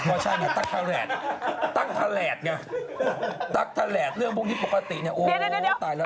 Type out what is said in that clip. ก็ใช่นะตั๊กทะแหลดเงี้ยตั๊กทะแหลดเรื่องพวกนี้ปกติเนี่ยโอ้ตายแล้วตั๊กทะแหลด